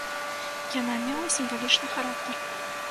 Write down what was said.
Яна мела сімвалічны характар.